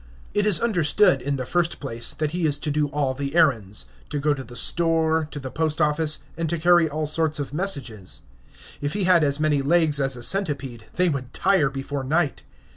It is understood, in the first place, that he is to do all the errands, to go to the store, to the post office, and to carry all sorts of messages. If he had as many legs as a centipede, they would tire before night.